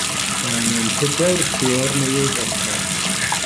Mae angen pedair teiar newydd ar y car.